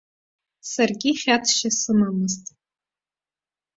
Саргьы хьаҵшьа сымамызт.